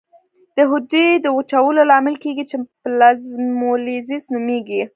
د حجرې د وچوالي لامل کیږي چې پلازمولیزس نومېږي.